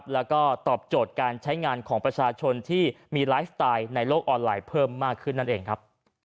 แล้วก็ตอบโจทย์การใช้งานของประชาชนที่มีไลฟ์สไตล์ในโลกออนไลน์เพิ่มมากขึ้นนั่นเองครับ